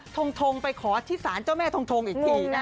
ทงไปขอที่สารเจ้าแม่ทงอีกทีนะ